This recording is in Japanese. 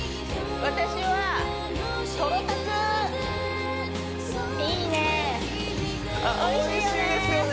私はいいねおいしいですよね